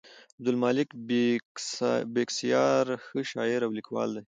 عبدالمالک بېکسیار ښه شاعر او لیکوال دی.